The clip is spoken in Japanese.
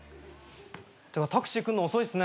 てかタクシー来んの遅いっすね。